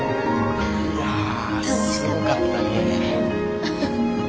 いやすごかったね。